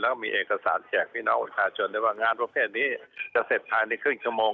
แล้วมีเอกสารแจกพี่น้องประชาชนได้ว่างานประเภทนี้จะเสร็จภายในครึ่งชั่วโมง